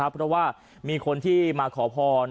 เพราะว่ามีคนที่มาขอพร